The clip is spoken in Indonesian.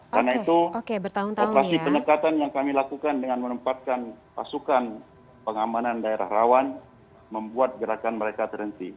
karena itu operasi penekatan yang kami lakukan dengan menempatkan pasukan pengamanan daerah rawan membuat gerakan mereka terhenti